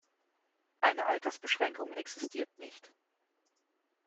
Eine Altersbeschränkung existiert nicht.